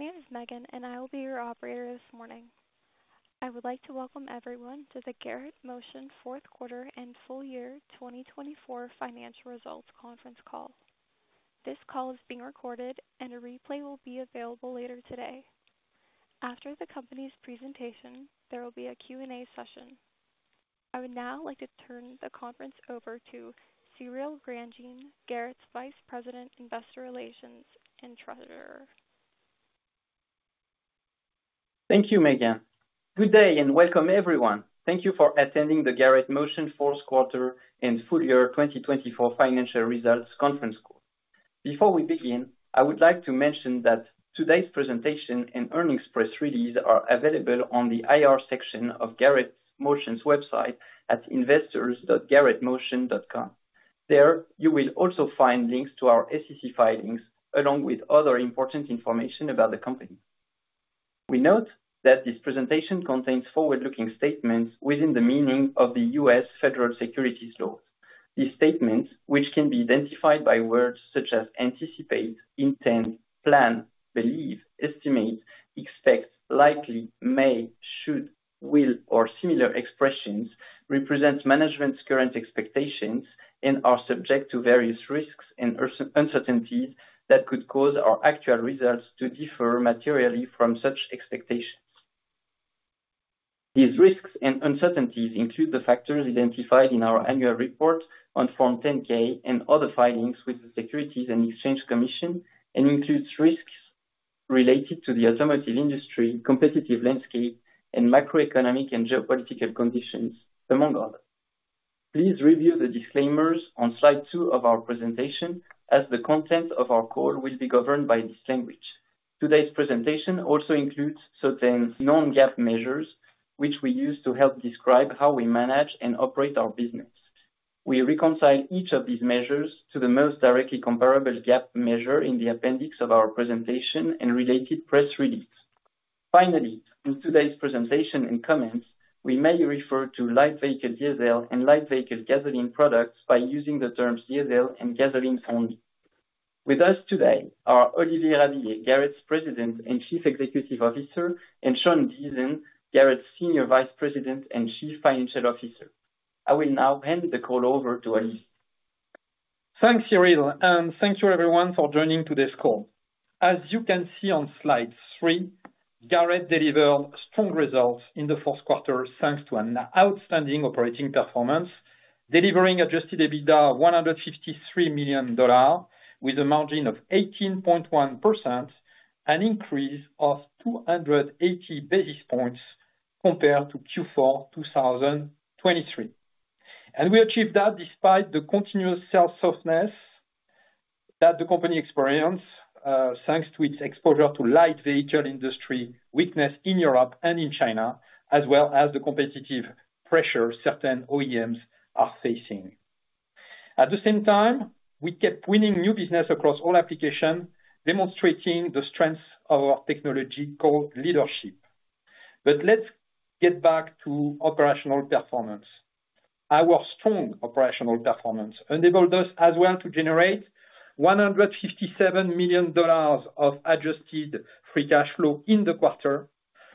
Hello. My name is Megan, and I will be your operator this morning. I would like to welcome everyone to the Garrett Motion Fourth Quarter and Full Year 2024 Financial Results Conference call. This call is being recorded, and a replay will be available later today. After the company's presentation, there will be a Q&A session. I would now like to turn the conference over to Cyril Grandjean, Garrett's Vice President, Investor Relations and Treasurer. Thank you, Megan. Good day and welcome, everyone. Thank you for attending the Garrett Motion Fourth Quarter and Full Year 2024 Financial Results Conference call. Before we begin, I would like to mention that today's presentation and earnings press release are available on the IR section of Garrett Motion's website at investors.garrettmotion.com. There, you will also find links to our SEC filings along with other important information about the company. We note that this presentation contains forward-looking statements within the meaning of the U.S. federal securities laws. These statements, which can be identified by words such as anticipate, intend, plan, believe, estimate, expect, likely, may, should, will, or similar expressions, represent management's current expectations and are subject to various risks and uncertainties that could cause our actual results to differ materially from such expectations. These risks and uncertainties include the factors identified in our annual report on Form 10-K and other filings with the Securities and Exchange Commission, and includes risks related to the automotive industry, competitive landscape, and macroeconomic and geopolitical conditions, among others. Please review the disclaimers on Slide two of our presentation, as the content of our call will be governed by this language. Today's presentation also includes certain known GAAP measures, which we use to help describe how we manage and operate our business. We reconcile each of these measures to the most directly comparable GAAP measure in the appendix of our presentation and related press release. Finally, in today's presentation and comments, we may refer to light vehicle diesel and light vehicle gasoline products by using the terms diesel and gasoline only. With us today are Olivier Rabiller, Garrett's President and Chief Executive Officer, and Sean Deason, Garrett's Senior Vice President and Chief Financial Officer. I will now hand the call over to Olivier. Thanks, Cyril, and thank you, everyone, for joining today's call. As you can see on slide three, Garrett delivered strong results in the fourth quarter thanks to an outstanding operating performance, delivering Adjusted EBITDA of $153 million with a margin of 18.1%, an increase of 280 basis points compared to Q4 2023, and we achieved that despite the continuous sales softness that the company experienced thanks to its exposure to light vehicle industry weakness in Europe and in China, as well as the competitive pressure certain OEMs are facing. At the same time, we kept winning new business across all applications, demonstrating the strength of our technological leadership, but let's get back to operational performance. Our strong operational performance enabled us as well to generate $157 million of Adjusted Free Cash Flow in the quarter,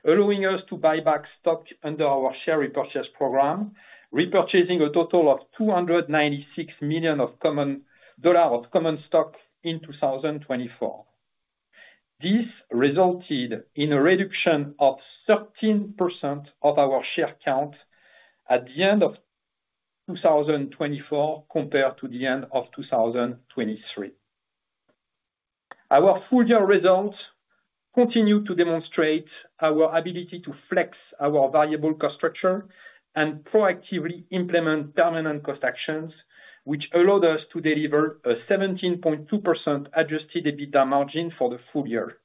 allowing us to buy back stock under our share repurchase program, repurchasing a total of $296 million of common stock in 2024. This resulted in a reduction of 13% of our share count at the end of 2024 compared to the end of 2023. Our full-year results continue to demonstrate our ability to flex our variable cost structure and proactively implement permanent cost actions, which allowed us to deliver a 17.2% Adjusted EBITDA margin for the full year.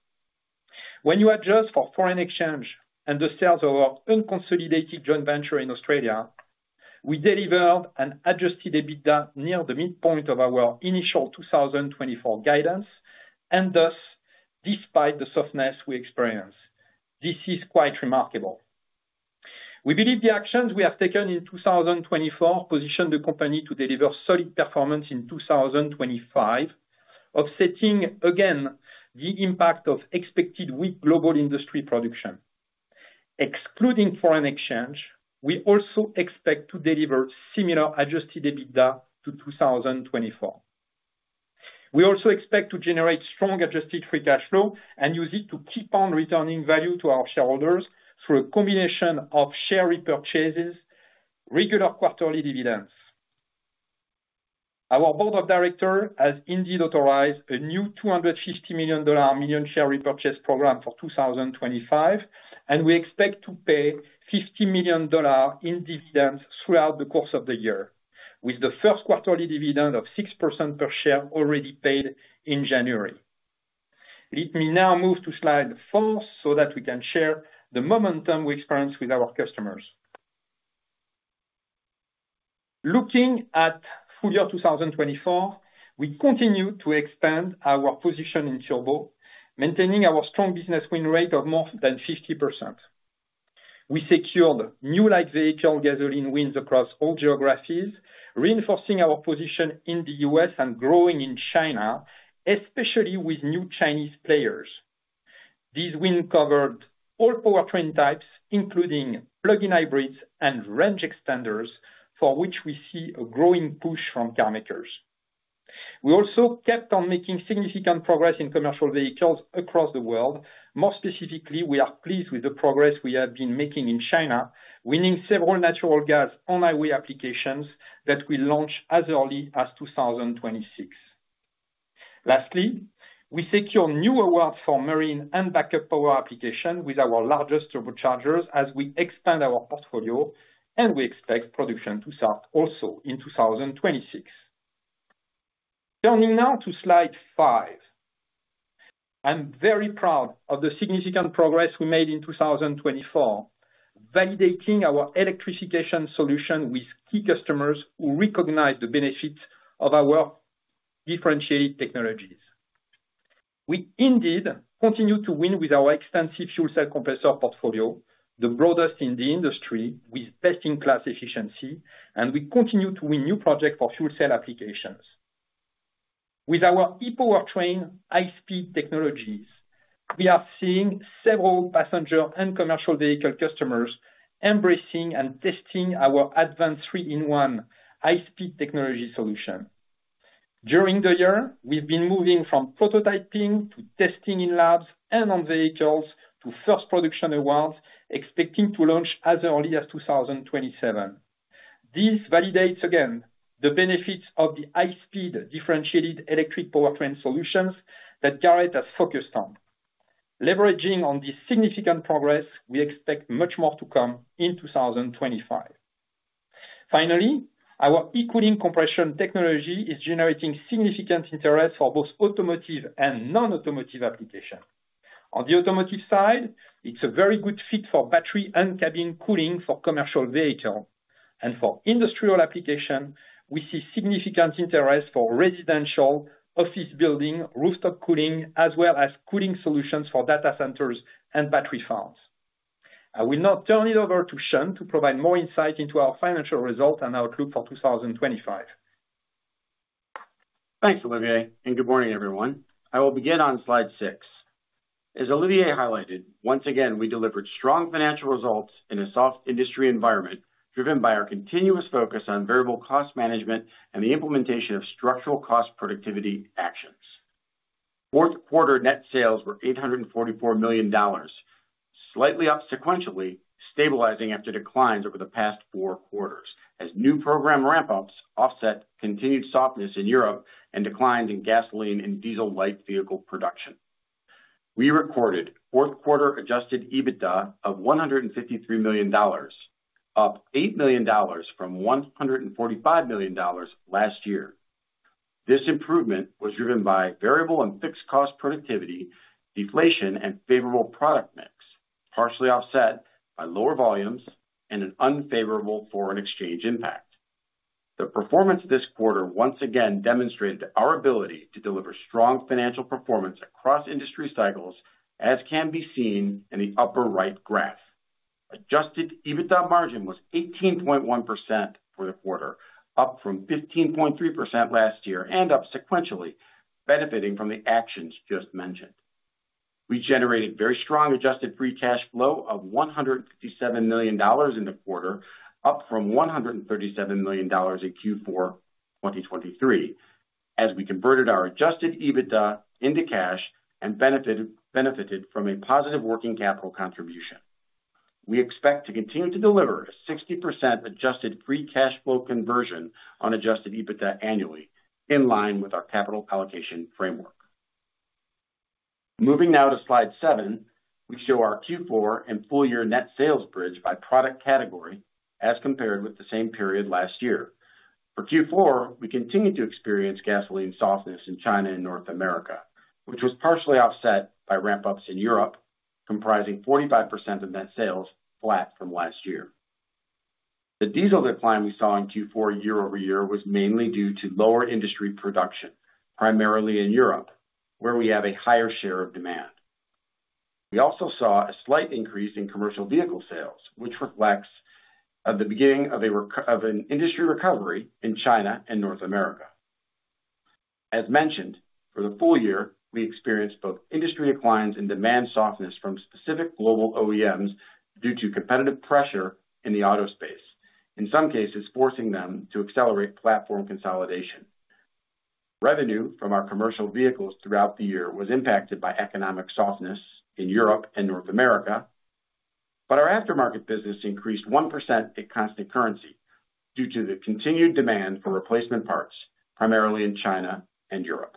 When you adjust for foreign exchange and the sales of our unconsolidated joint venture in Australia, we delivered an Adjusted EBITDA near the midpoint of our initial 2024 guidance, and thus, despite the softness we experienced, this is quite remarkable. We believe the actions we have taken in 2024 position the company to deliver solid performance in 2025, offsetting again the impact of expected weak global industry production. Excluding foreign exchange, we also expect to deliver similar Adjusted EBITDA to 2024. We also expect to generate strong Adjusted Free Cash Flow and use it to keep on returning value to our shareholders through a combination of share repurchases, regular quarterly dividends. Our Board of Directors has indeed authorized a new $250 million share repurchase program for 2025, and we expect to pay $50 million in dividends throughout the course of the year, with the first quarterly dividend of 6% per share already paid in January. Let me now move to slide four so that we can share the momentum we experience with our customers. Looking at full year 2024, we continue to expand our position in Turbo, maintaining our strong business win rate of more than 50%. We secured new light vehicle gasoline wins across all geographies, reinforcing our position in the U.S. and growing in China, especially with new Chinese players. These wins covered all powertrain types, including plug-in hybrids and range extenders, for which we see a growing push from car makers. We also kept on making significant progress in commercial vehicles across the world. More specifically, we are pleased with the progress we have been making in China, winning several natural gas on-highway applications that we launched as early as 2026. Lastly, we secured new awards for marine and backup power applications with our largest turbochargers as we expand our portfolio, and we expect production to start also in 2026. Turning now to slide five, I'm very proud of the significant progress we made in 2024, validating our electrification solution with key customers who recognize the benefits of our differentiated technologies. We indeed continue to win with our extensive fuel cell compressor portfolio, the broadest in the industry, with best-in-class efficiency, and we continue to win new projects for fuel cell applications. With our E-Powertrain high-speed technologies, we are seeing several passenger and commercial vehicle customers embracing and testing our advanced three-in-one high-speed technology solution. During the year, we've been moving from prototyping to testing in labs and on vehicles to first production awards, expecting to launch as early as 2027. This validates again the benefits of the high-speed differentiated electric powertrain solutions that Garrett has focused on. Leveraging on this significant progress, we expect much more to come in 2025. Finally, our E-Cooling compression technology is generating significant interest for both automotive and non-automotive applications. On the automotive side, it's a very good fit for battery and cabin cooling for commercial vehicles, and for industrial applications, we see significant interest for residential, office building, rooftop cooling, as well as cooling solutions for data centers and battery farms. I will now turn it over to Sean to provide more insight into our financial results and outlook for 2025. Thanks, Olivier, and good morning, everyone. I will begin on slide six. As Olivier highlighted, once again, we delivered strong financial results in a soft industry environment driven by our continuous focus on variable cost management and the implementation of structural cost productivity actions. Fourth quarter net sales were $844 million, slightly up sequentially, stabilizing after declines over the past four quarters, as new program ramp-ups offset continued softness in Europe and declines in gasoline and diesel light vehicle production. We recorded fourth quarter Adjusted EBITDA of $153 million, up $8 million from $145 million last year. This improvement was driven by variable and fixed cost productivity, deflation, and favorable product mix, partially offset by lower volumes and an unfavorable foreign exchange impact. The performance this quarter once again demonstrated our ability to deliver strong financial performance across industry cycles, as can be seen in the upper right graph. Adjusted EBITDA margin was 18.1% for the quarter, up from 15.3% last year and up sequentially, benefiting from the actions just mentioned. We generated very strong adjusted free cash flow of $157 million in the quarter, up from $137 million in Q4 2023, as we converted our adjusted EBITDA into cash and benefited from a positive working capital contribution. We expect to continue to deliver a 60% adjusted Free Cash Flow conversion on adjusted EBITDA annually, in line with our capital allocation framework. Moving now to slide seven, we show our Q4 and full year net sales bridge by product category as compared with the same period last year. For Q4, we continue to experience gasoline softness in China and North America, which was partially offset by ramp-ups in Europe, comprising 45% of net sales flat from last year. The diesel decline we saw in Q4 year-over-year was mainly due to lower industry production, primarily in Europe, where we have a higher share of demand. We also saw a slight increase in commercial vehicle sales, which reflects the beginning of an industry recovery in China and North America. As mentioned, for the full year, we experienced both industry declines and demand softness from specific global OEMs due to competitive pressure in the auto space, in some cases forcing them to accelerate platform consolidation. Revenue from our commercial vehicles throughout the year was impacted by economic softness in Europe and North America, but our aftermarket business increased 1% at constant currency due to the continued demand for replacement parts, primarily in China and Europe.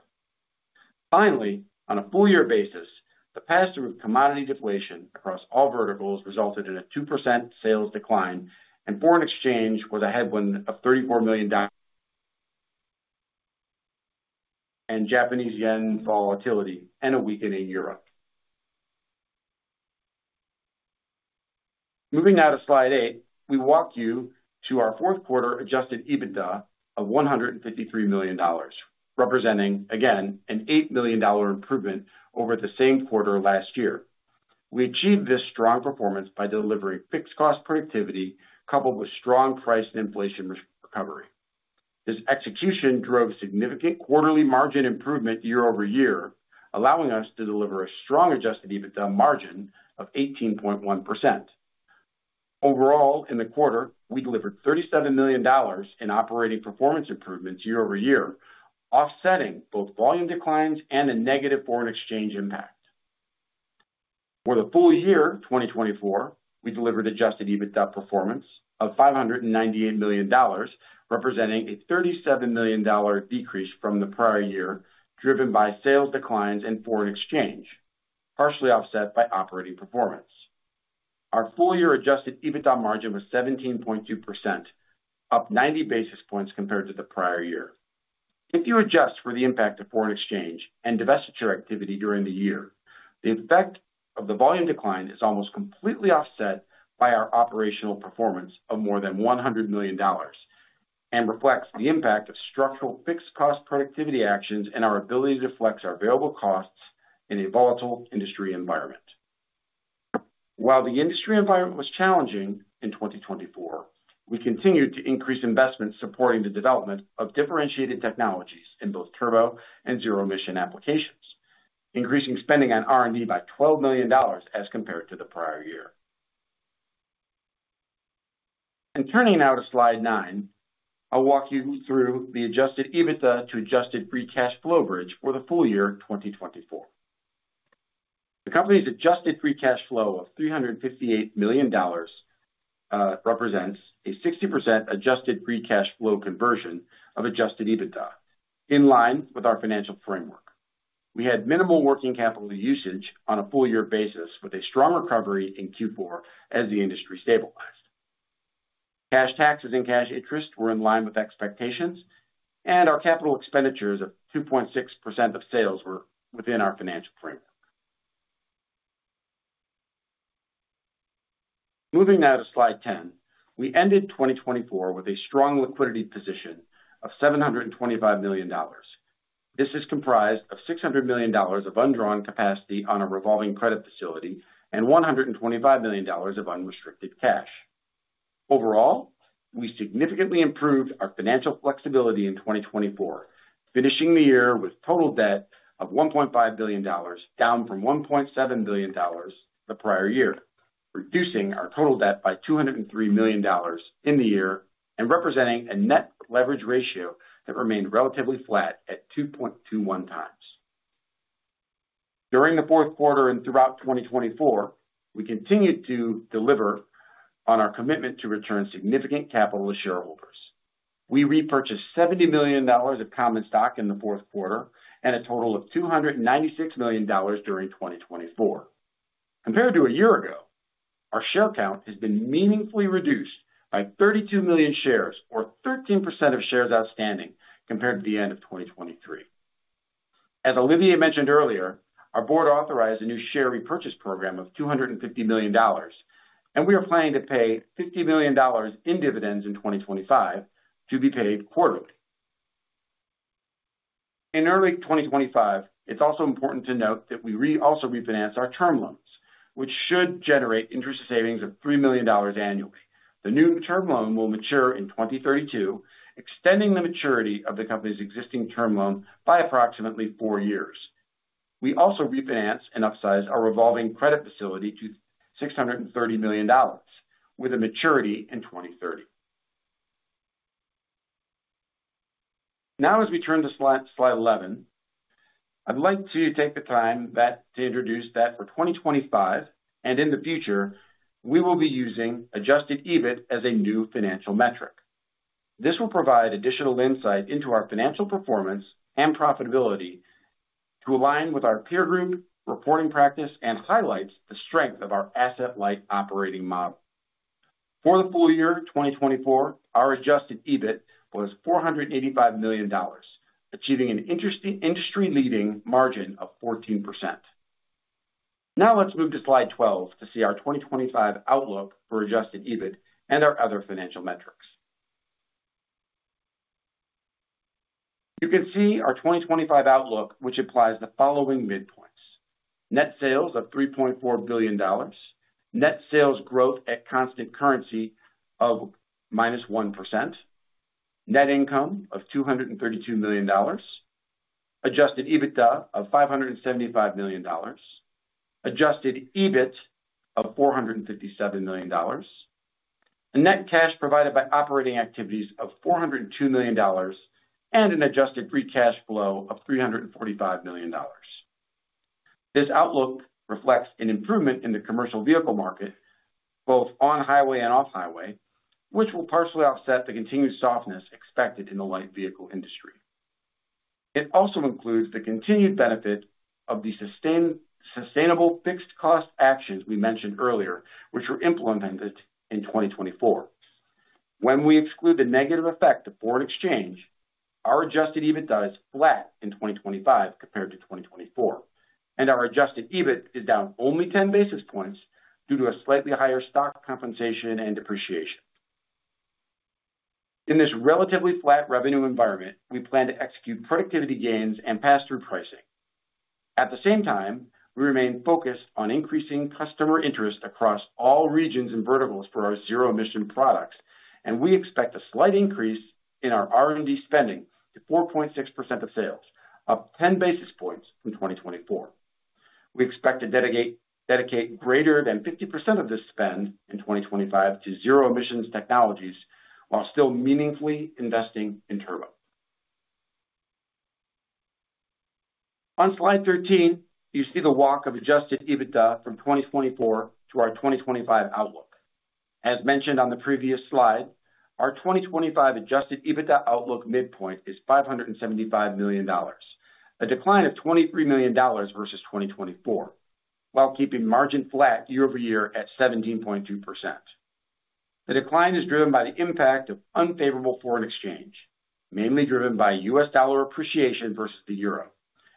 Finally, on a full year basis, the pass-through commodity deflation across all verticals resulted in a 2% sales decline, and foreign exchange was a headwind of $34 million and Japanese yen volatility and a weakening Europe. Moving now to slide eight, we walk you through our fourth quarter adjusted EBITDA of $153 million, representing, again, an $8 million improvement over the same quarter last year. We achieved this strong performance by delivering fixed cost productivity coupled with strong price and inflation recovery. This execution drove significant quarterly margin improvement year-over-year, allowing us to deliver a strong adjusted EBITDA margin of 18.1%. Overall, in the quarter, we delivered $37 million in operating performance improvements year-over-year, offsetting both volume declines and a negative foreign exchange impact. For the full year 2024, we delivered Adjusted EBITDA performance of $598 million, representing a $37 million decrease from the prior year, driven by sales declines and foreign exchange, partially offset by operating performance. Our full year Adjusted EBITDA margin was 17.2%, up 90 basis points compared to the prior year. If you adjust for the impact of foreign exchange and divestiture activity during the year, the effect of the volume decline is almost completely offset by our operational performance of more than $100 million and reflects the impact of structural fixed cost productivity actions and our ability to flex our variable costs in a volatile industry environment. While the industry environment was challenging in 2024, we continued to increase investments supporting the development of differentiated technologies in both turbo and zero-emission applications, increasing spending on R&D by $12 million as compared to the prior year. Turning now to slide nine, I'll walk you through the adjusted EBITDA to adjusted free cash flow bridge for the full year 2024. The company's adjusted free cash flow of $358 million represents a 60% adjusted free cash flow conversion of adjusted EBITDA, in line with our financial framework. We had minimal working capital usage on a full year basis, with a strong recovery in Q4 as the industry stabilized. Cash taxes and cash interest were in line with expectations, and our capital expenditures of 2.6% of sales were within our financial framework. Moving now to slide 10, we ended 2024 with a strong liquidity position of $725 million. This is comprised of $600 million of undrawn capacity on a revolving credit facility and $125 million of unrestricted cash. Overall, we significantly improved our financial flexibility in 2024, finishing the year with total debt of $1.5 billion, down from $1.7 billion the prior year, reducing our total debt by $203 million in the year and representing a net leverage ratio that remained relatively flat at 2.21 times. During the fourth quarter and throughout 2024, we continued to deliver on our commitment to return significant capital to shareholders. We repurchased $70 million of common stock in the fourth quarter and a total of $296 million during 2024. Compared to a year ago, our share count has been meaningfully reduced by 32 million shares, or 13% of shares outstanding compared to the end of 2023. As Olivier mentioned earlier, our board authorized a new share repurchase program of $250 million, and we are planning to pay $50 million in dividends in 2025 to be paid quarterly. In early 2025, it's also important to note that we also refinanced our term loans, which should generate interest savings of $3 million annually. The new term loan will mature in 2032, extending the maturity of the company's existing term loan by approximately four years. We also refinanced and upsized our revolving credit facility to $630 million, with a maturity in 2030. Now, as we turn to slide 11, I'd like to take the time to introduce that for 2025 and in the future, we will be using Adjusted EBIT as a new financial metric. This will provide additional insight into our financial performance and profitability to align with our peer group reporting practice and highlights the strength of our asset-light operating model. For the full year 2024, our Adjusted EBIT was $485 million, achieving an industry-leading margin of 14%. Now, let's move to slide 12 to see our 2025 outlook for adjusted EBIT and our other financial metrics. You can see our 2025 outlook, which implies the following midpoints: net sales of $3.4 billion, net sales growth at constant currency of -1%, net income of $232 million, adjusted EBITDA of $575 million, adjusted EBIT of $457 million, net cash provided by operating activities of $402 million, and an adjusted free cash flow of $345 million. This outlook reflects an improvement in the commercial vehicle market, both on-highway and off-highway, which will partially offset the continued softness expected in the light vehicle industry. It also includes the continued benefit of the sustainable fixed cost actions we mentioned earlier, which were implemented in 2024. When we exclude the negative effect of foreign exchange, our Adjusted EBITDA is flat in 2025 compared to 2024, and our Adjusted EBIT is down only 10 basis points due to a slightly higher stock compensation and depreciation. In this relatively flat revenue environment, we plan to execute productivity gains and pass-through pricing. At the same time, we remain focused on increasing customer interest across all regions and verticals for our zero-emission products, and we expect a slight increase in our R&D spending to 4.6% of sales, up 10 basis points from 2024. We expect to dedicate greater than 50% of this spend in 2025 to zero-emissions technologies while still meaningfully investing in Turbo. On slide 13, you see the walk of Adjusted EBITDA from 2024 to our 2025 outlook. As mentioned on the previous slide, our 2025 adjusted EBITDA outlook midpoint is $575 million, a decline of $23 million versus 2024, while keeping margin flat year over year at 17.2%. The decline is driven by the impact of unfavorable foreign exchange, mainly driven by U.S. dollar appreciation versus the euro.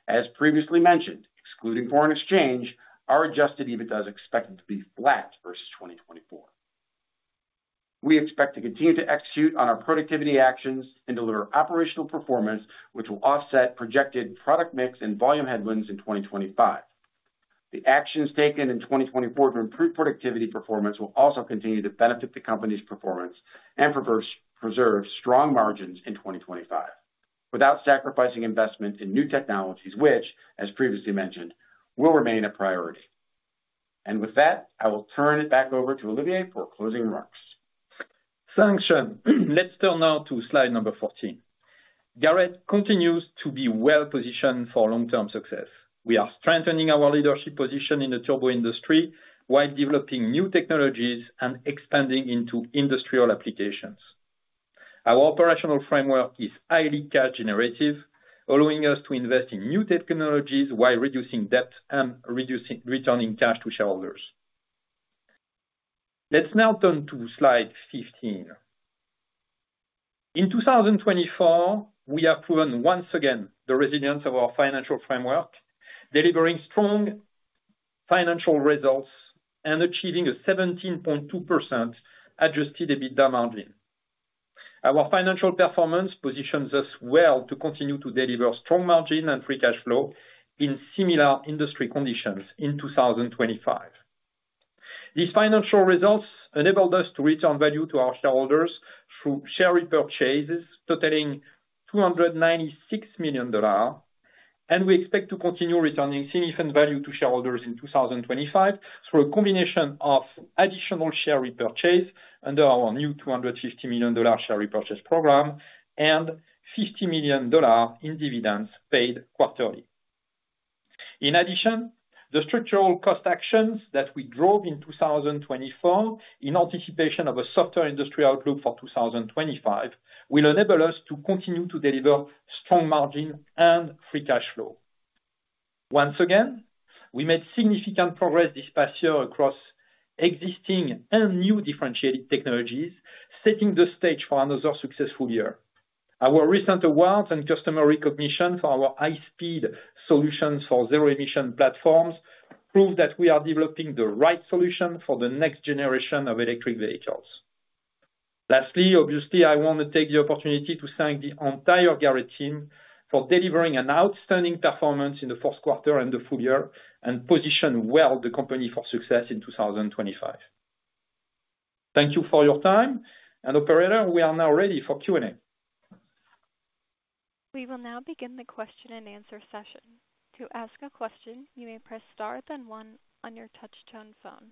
As previously mentioned, excluding foreign exchange, our adjusted EBITDA is expected to be flat versus 2024. We expect to continue to execute on our productivity actions and deliver operational performance, which will offset projected product mix and volume headwinds in 2025. The actions taken in 2024 to improve productivity performance will also continue to benefit the company's performance and preserve strong margins in 2025 without sacrificing investment in new technologies, which, as previously mentioned, will remain a priority. And with that, I will turn it back over to Olivier for closing remarks. Thanks, Sean. Let's turn now to slide number 14. Garrett continues to be well-positioned for long-term success. We are strengthening our leadership position in the turbo industry while developing new technologies and expanding into industrial applications. Our operational framework is highly cash-generative, allowing us to invest in new technologies while reducing debt and returning cash to shareholders. Let's now turn to slide 15. In 2024, we have proven once again the resilience of our financial framework, delivering strong financial results and achieving a 17.2% Adjusted EBITDA margin. Our financial performance positions us well to continue to deliver strong margin and free cash flow in similar industry conditions in 2025. These financial results enabled us to return value to our shareholders through share repurchases totaling $296 million, and we expect to continue returning significant value to shareholders in 2025 through a combination of additional share repurchase under our new $250 million share repurchase program and $50 million in dividends paid quarterly. In addition, the structural cost actions that we drove in 2024 in anticipation of a softer industry outlook for 2025 will enable us to continue to deliver strong margin and free cash flow. Once again, we made significant progress this past year across existing and new differentiated technologies, setting the stage for another successful year. Our recent awards and customer recognition for our high-speed solutions for zero-emission platforms prove that we are developing the right solution for the next generation of electric vehicles. Lastly, obviously, I want to take the opportunity to thank the entire Garrett team for delivering an outstanding performance in the fourth quarter and the full year and positioning well the company for success in 2025. Thank you for your time. And, Operator, we are now ready for Q&A. We will now begin the question and answer session. To ask a question, you may press star then one on your touch-tone phone.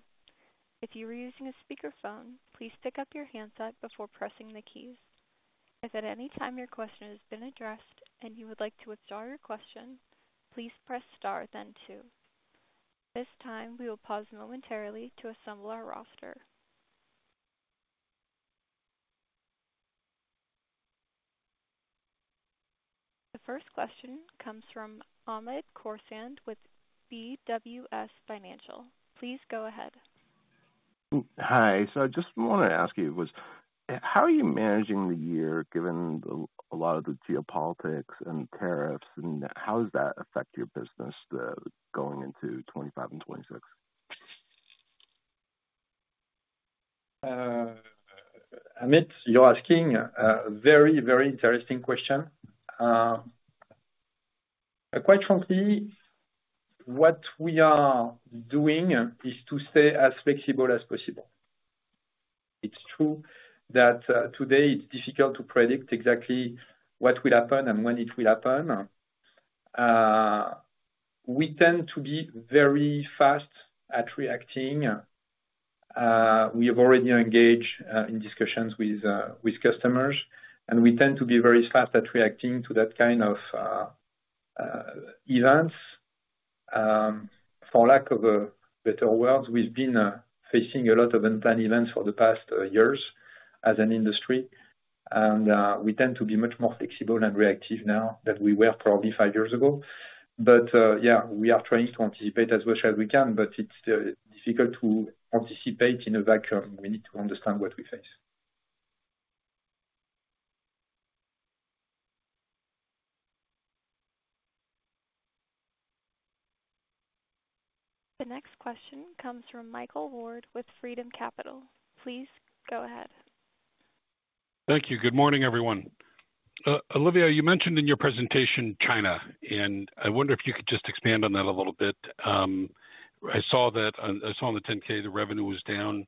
If you are using a speakerphone, please pick up your handset before pressing the keys. If at any time your question has been addressed and you would like to withdraw your question, please press star then two. This time, we will pause momentarily to assemble our roster. The first question comes from Hamed Khorsand with BWS Financial. Please go ahead. Hi. So I just wanted to ask you, how are you managing the year given a lot of the geopolitics and tariffs, and how does that affect your business going into 2025 and 2026? Hamed, you're asking a very, very interesting question. Quite frankly, what we are doing is to stay as flexible as possible. It's true that today it's difficult to predict exactly what will happen and when it will happen. We tend to be very fast at reacting. We have already engaged in discussions with customers, and we tend to be very fast at reacting to that kind of events. For lack of a better word, we've been facing a lot of unplanned events for the past years as an industry, and we tend to be much more flexible and reactive now than we were probably five years ago. But yeah, we are trying to anticipate as much as we can, but it's difficult to anticipate in a vacuum. We need to understand what we face. The next question comes from Michael Ward with Freedom Capital. Please go ahead. Thank you. Good morning, everyone. Olivier, you mentioned in your presentation, China, and I wonder if you could just expand on that a little bit. I saw that on the 10-K, the revenue was down,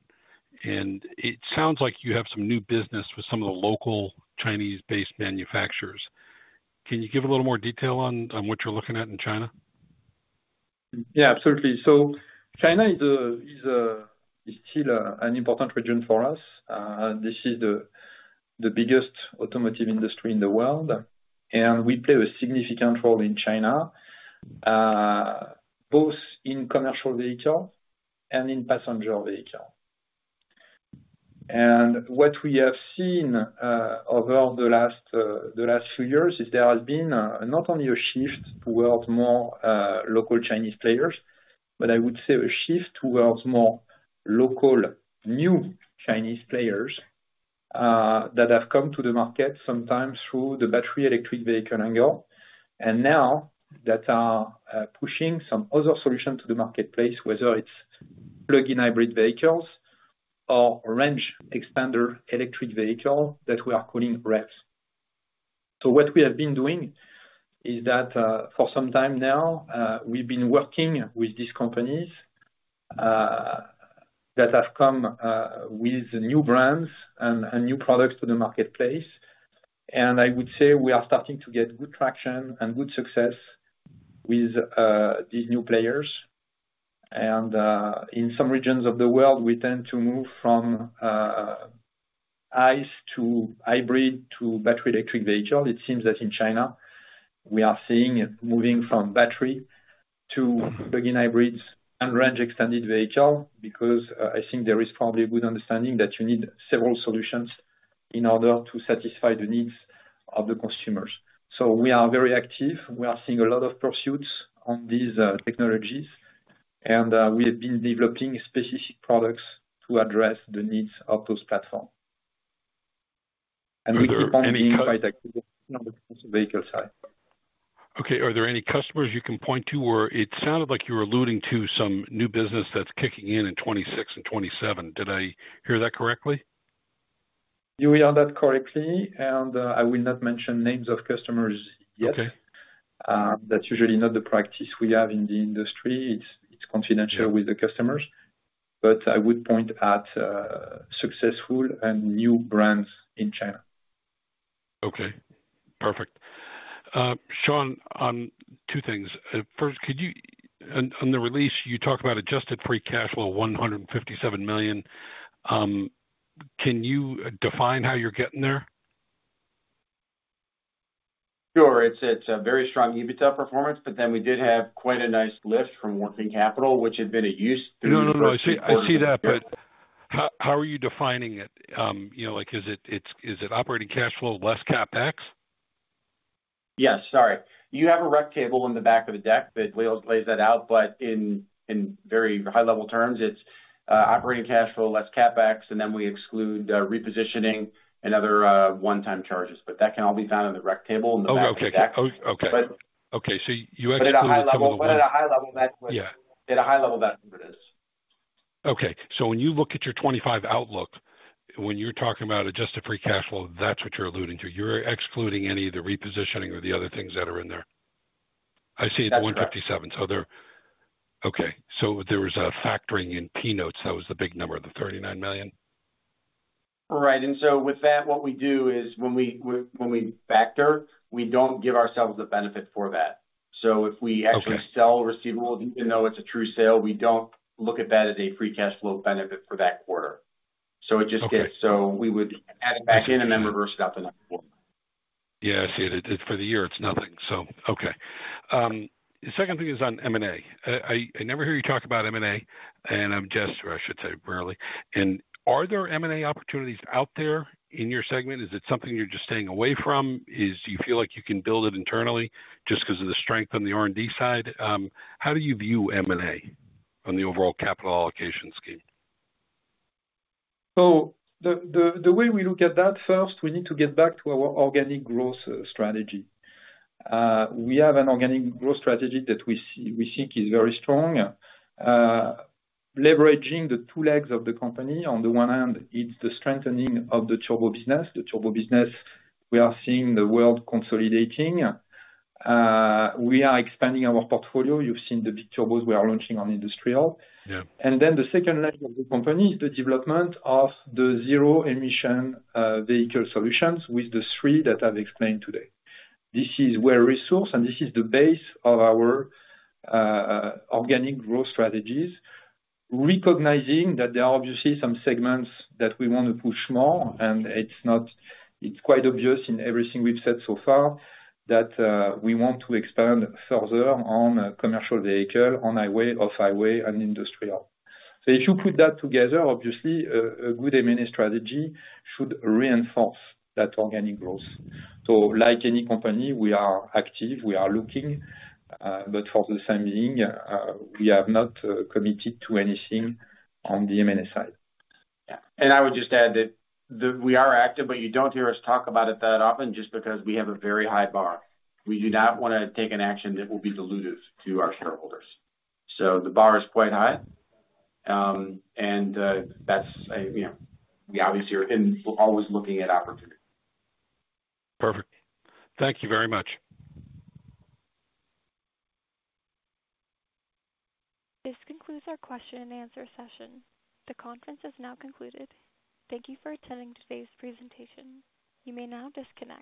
and it sounds like you have some new business with some of the local Chinese-based manufacturers. Can you give a little more detail on what you're looking at in China? Yeah, absolutely. So China is still an important region for us. This is the biggest automotive industry in the world, and we play a significant role in China, both in commercial vehicles and in passenger vehicles. And what we have seen over the last few years is there has been not only a shift towards more local Chinese players, but I would say a shift towards more local new Chinese players that have come to the market sometimes through the battery electric vehicle angle, and now that are pushing some other solutions to the marketplace, whether it's plug-in hybrid vehicles or range extender electric vehicles that we are calling REEVs. So what we have been doing is that for some time now, we've been working with these companies that have come with new brands and new products to the marketplace. And I would say we are starting to get good traction and good success with these new players. And in some regions of the world, we tend to move from ICE to hybrid to battery electric vehicles. It seems that in China, we are seeing moving from battery to plug-in hybrids and range extended vehicles because I think there is probably a good understanding that you need several solutions in order to satisfy the needs of the consumers. So we are very active. We are seeing a lot of pursuits on these technologies, and we have been developing specific products to address the needs of those platforms. And we keep on being quite active on the vehicle side. Okay. Are there any customers you can point to where it sounded like you were alluding to some new business that's kicking in in 2026 and 2027? Did I hear that correctly? You heard that correctly, and I will not mention names of customers yet. That's usually not the practice we have in the industry. It's confidential with the customers, but I would point at successful and new brands in China. Okay. Perfect. Sean, on two things. First, on the release, you talked about adjusted free cash flow, $157 million. Can you define how you're getting there? Sure. It's a very strong EBITDA performance, but then we did have quite a nice lift from working capital, which had been a use through the years. No, no, no. I see that, but how are you defining it? Is it operating cash flow, less CapEx? Yes. Sorry. You have a rec table in the back of the deck that lays that out, but in very high-level terms, it's operating cash flow, less CapEx, and then we exclude repositioning and other one-time charges. But that can all be found in the rec table in the back of the deck. Okay. Okay. Okay. So you exclude whatever that's called. But at a high-level, that's what it is. Okay. So when you look at your 2025 outlook, when you're talking about adjusted free cash flow, that's what you're alluding to. You're excluding any of the repositioning or the other things that are in there? I see it's $157million. So there's a factoring in P-Notes. That was the big number, the $39 million? Right. And so with that, what we do is when we factor, we don't give ourselves the benefit for that. So if we actually sell receivables, even though it's a true sale, we don't look at that as a free cash flow benefit for that quarter. So it just gets. So we would add it back in and then reverse it out the next quarter. Yeah. I see it. For the year, it's nothing, so. Okay. The second thing is on M&A. I never hear you talk about M&A, and I'm just, or I should say rarely. And are there M&A opportunities out there in your segment? Is it something you're just staying away from? Do you feel like you can build it internally just because of the strength on the R&D side? How do you view M&A on the overall capital allocation scheme? So the way we look at that, first, we need to get back to our organic growth strategy. We have an organic growth strategy that we think is very strong, leveraging the two legs of the company. On the one hand, it's the strengthening of the turbo business. The turbo business, we are seeing the world consolidating. We are expanding our portfolio. You've seen the big turbos we are launching on industrial. And then the second leg of the company is the development of the zero-emission vehicle solutions with the three that I've explained today. This is where resource, and this is the base of our organic growth strategies, recognizing that there are obviously some segments that we want to push more, and it's quite obvious in everything we've said so far that we want to expand further on commercial vehicle, on highway, off-highway, and industrial. So if you put that together, obviously, a good M&A strategy should reinforce that organic growth. So like any company, we are active. We are looking, but for the same thing, we have not committed to anything on the M&A side. And I would just add that we are active, but you don't hear us talk about it that often just because we have a very high bar. We do not want to take an action that will be dilutive to our shareholders. So the bar is quite high, and we obviously are always looking at opportunity. Perfect. Thank you very much. This concludes our question and answer session. The conference is now concluded. Thank you for attending today's presentation. You may now disconnect.